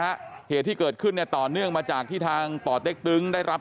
เหตุที่เกิดขึ้นเนี่ยต่อเนื่องมาจากที่ทางป่อเต็กตึงได้รับ